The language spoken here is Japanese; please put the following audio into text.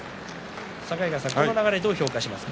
境川さん、この流れをどう評価しますか？